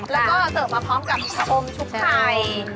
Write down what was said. แล้วก็เติบมาพร้อมกับข้าวมันชุกไทย